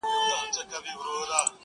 • ما خو پرېږده نن رویبار په وینو ژاړي,